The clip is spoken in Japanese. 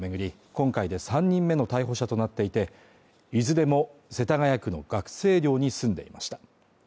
今回で３人目の逮捕者となっていていずれも世田谷区の学生寮に住んでいました